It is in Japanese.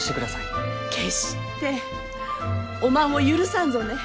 決しておまんを許さんぞね！